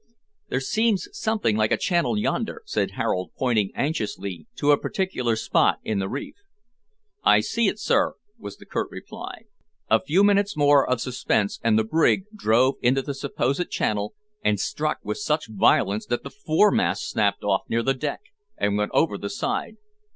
"There seems something like a channel yonder," said Harold, pointing anxiously to a particular spot in the reef. "I see it, sir," was the curt reply. A few minutes more of suspense, and the brig drove into the supposed channel, and struck with such violence that the foremast snapped off near the deck, and went over the side.